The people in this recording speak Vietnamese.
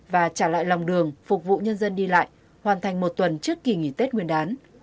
và trả lại lòng đường phục vụ nhân dân đi lại hoàn thành một tuần trước kỳ nghỉ tết nguyên đán